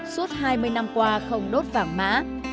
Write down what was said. suốt hai mươi năm qua không đốt vàng mã